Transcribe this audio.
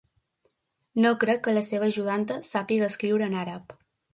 No crec que la seva ajudanta sàpiga escriure en àrab.